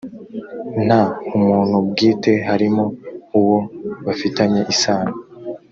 nta umuntu bwite harimo uwo bafitanye isano